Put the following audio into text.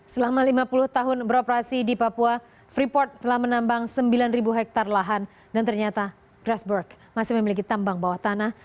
selama lima puluh tahun beroperasi di papua freeport telah menambang sembilan hektare lahan dan ternyata grassberg masih memiliki tambang bawah tanah